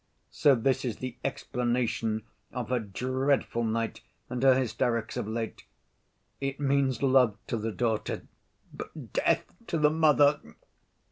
So this is the explanation of her dreadful night and her hysterics of late! It means love to the daughter but death to the mother.